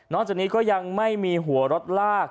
นอกจากนี้ก็ยังมีหัวหลดระลาก